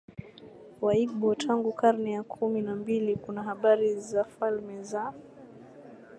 wa Waigbo Tangu karne ya kumi na mbili kuna habari za falme za